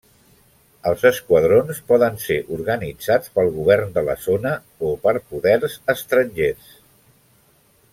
Els esquadrons poden ser organitzats pel govern de la zona, o per poders estrangers.